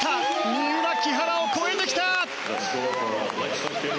三浦、木原を超えてきた！